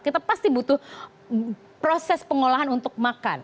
kita pasti butuh proses pengolahan untuk makan